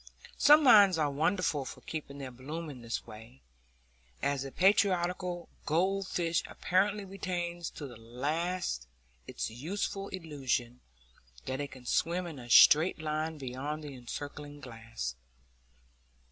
Some minds are wonderful for keeping their bloom in this way, as a patriarchal goldfish apparently retains to the last its youthful illusion that it can swim in a straight line beyond the encircling glass.